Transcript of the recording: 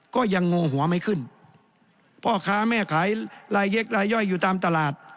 ก็ยังโง่หัวไม่ขึ้นพ่อค้าแม่ขายลายเย็กรายย่อยอยู่ตามตลาด